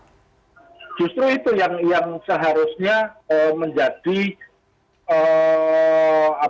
justru itu yang seharusnya